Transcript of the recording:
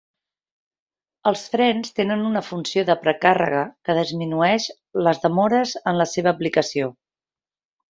Els frens tenen una funció de precàrrega que disminueix les demores en la seva aplicació.